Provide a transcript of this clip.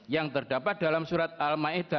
yang terdapat dalam surat al ma'idah